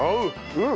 うん！